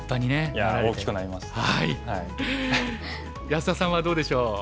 安田さんはどうでしょう？